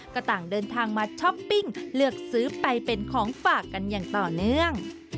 ก็ต่างเดินทางมาช้อปปิ้งเลือกซื้อไปเป็นของฝากกันอย่างต่อเนื่อง